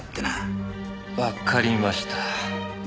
わかりました。